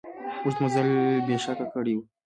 اوږده مزل بېسېکه کړی و.